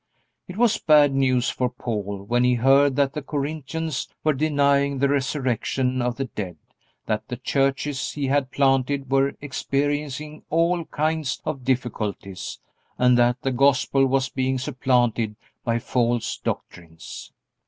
It was bad news for Paul when he heard that the Corinthians were denying the resurrection of the dead, that the churches he had planted were experiencing all kinds of difficulties, and that the Gospel was being supplanted by false doctrines.